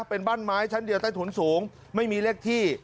เป็นบ้านไม้ชั้นเดียวใต้ถุนสูงไม่มีเลขที่